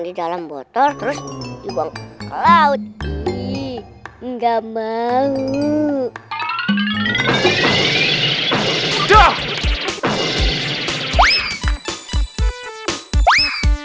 di dalam botol terus dibawa ke laut ii enggak mau jahat